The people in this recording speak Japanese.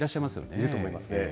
いると思いますね。